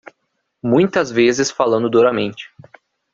Muitas vezes falando duramente